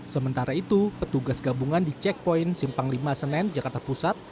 sementara itu petugas gabungan di checkpoint simpang lima senen jakarta pusat